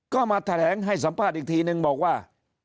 ก็มาแถลงให้สัมภาษณ์อีกทีนึงบอกว่า